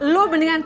lu mendingan cek ya